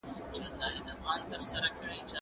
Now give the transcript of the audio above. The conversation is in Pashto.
سپی اوس هم په وفادارۍ د خپل محسن تر څنګ ګرځي.